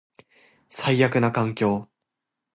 最悪な環境